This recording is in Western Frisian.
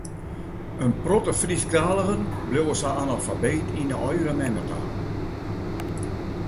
In protte Frysktaligen bliuwe sa analfabeet yn eigen memmetaal.